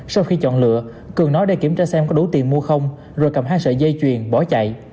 sau khi chọn lựa cường nói để kiểm tra xem có đủ tiền mua không rồi cầm hai sợi dây chuyền bỏ chạy